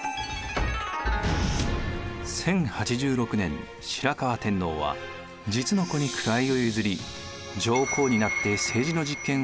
１０８６年白河天皇は実の子に位を譲り上皇になって政治の実権を握り続けます。